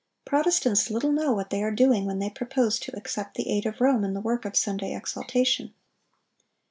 Protestants little know what they are doing when they propose to accept the aid of Rome in the work of Sunday exaltation.